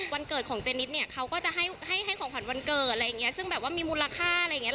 วันเกิดของเจนิดเนี่ยเขาก็จะให้ให้ของขวัญวันเกิดอะไรอย่างเงี้ยซึ่งแบบว่ามีมูลค่าอะไรอย่างเงี้